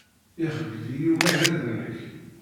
Ixeyyeb-iyi umagrad-nnek.